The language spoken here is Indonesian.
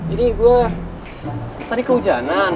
ini gue tadi kehujanan